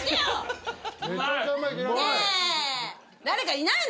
誰かいないの？